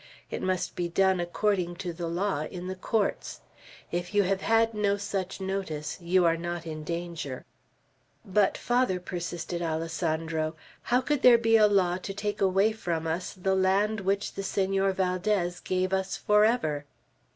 It must be done according to the law, in the courts. If you have had no such notice, you are not in danger." "But, Father," persisted Alessandro, "how could there be a law to take away from us the land which the Senor Valdez gave us forever?"